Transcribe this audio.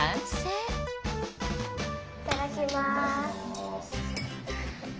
いただきます。